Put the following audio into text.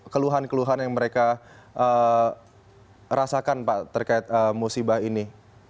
keluhan keluhan yang mereka rasakan pak terkait musibah ini